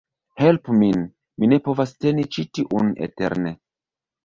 Helpu min! Mi ne povas teni ĉi tiun eterne